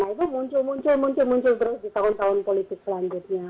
nah itu muncul muncul muncul terus di tahun tahun politik selanjutnya